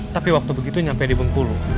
tapi waktu begitu sampai di bungkulu